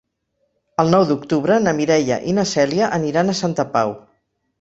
El nou d'octubre na Mireia i na Cèlia aniran a Santa Pau.